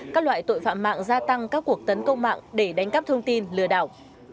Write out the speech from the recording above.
các loại tội phạm mạng gia tăng các cuộc tấn công mạng để đánh cắp thông tin lừa đảo